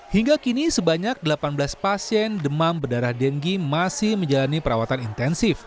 hingga kini sebanyak delapan belas pasien demam berdarah denggi masih menjalani perawatan intensif